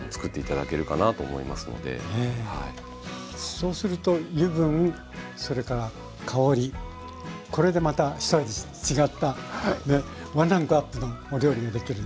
そうすると油分それから香りこれでまたひと味違ったワンランクアップのお料理ができる。